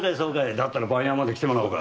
だったら番屋まで来てもらおうか。